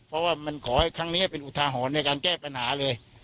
เพราะว่ามันขอให้ครั้งนี้ให้เป็นอุทาหรณ์ในการแก้ปัญหาเลย